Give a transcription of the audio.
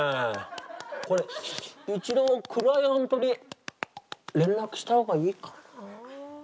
これうちのクライアントに連絡した方がいいかなあ。